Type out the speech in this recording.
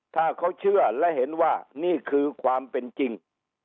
ถ้าเขาเชื่อและเห็นว่านี่คือความเป็นจริง